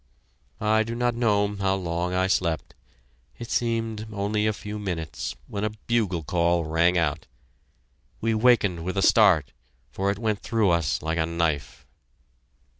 I do not know how long I slept; it seemed only a few minutes when a bugle call rang out. We wakened with a start, for it went through us like a knife.